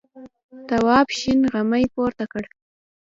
تواب شین غمی پورته کړ.